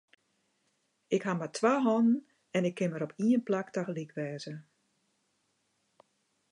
Ik haw mar twa hannen en ik kin mar op ien plak tagelyk wêze.